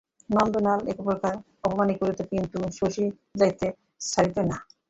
নন্দলাল একপ্রকার অপমানই করিত, কিন্তু শশী যাইতে ছাড়িত না।